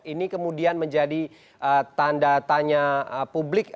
ini kemudian menjadi tanda tanya publik